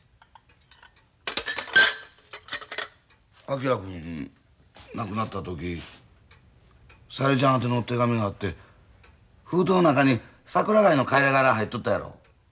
昭君亡くなった時小百合ちゃん宛ての手紙があって封筒の中に桜貝の貝殻が入っとったやろ。